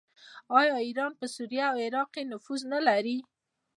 آیا ایران په سوریه او عراق کې نفوذ نلري؟